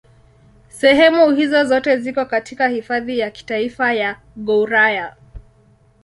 Sehemu hizo zote ziko katika Hifadhi ya Kitaifa ya Gouraya.